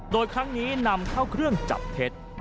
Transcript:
โดยครั้งนี้นำเข้าเครื่องจับเท็จ